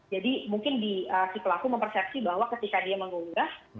jadi mungkin si pelaku mempersepsi bahwa ketika dia mengunggah